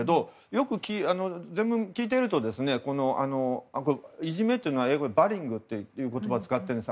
よく全文を聞いていると、いじめというのはバリングという言葉を使っています。